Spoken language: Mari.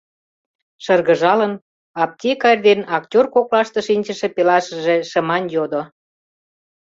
— шыргыжалын, аптекарь ден актёр коклаште шинчыше пелашыже шыман йодо.